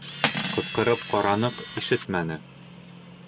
Ҡысҡырып ҡараныҡ, ишетмәне.